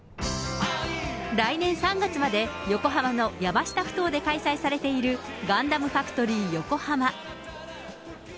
来年３月まで、横浜の山下ふ頭で開催されているガンダムファクトリーヨコハマ。